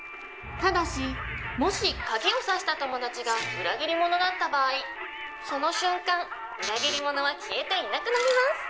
「ただしもし鍵を挿した友達が裏切り者だった場合その瞬間裏切り者は消えていなくなります」